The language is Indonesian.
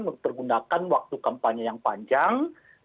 mempergunakan waktu kampanye yang panjang